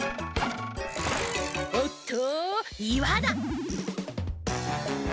おっといわだ。